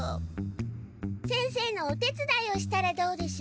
先生のお手つだいをしたらどうでしょう。